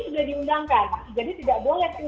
sudah diundangkan jadi tidak boleh